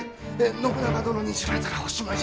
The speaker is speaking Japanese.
信長殿に知られたらおしまいじゃ。